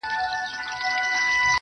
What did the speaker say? د غم شپيلۍ راپسي مه ږغـوه.